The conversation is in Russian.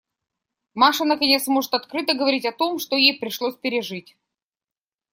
Маша, наконец, может открыто говорить о том, что ей пришлось пережить.